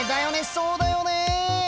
そうだよね！